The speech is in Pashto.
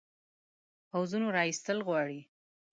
پوځونو را ایستل غواړي.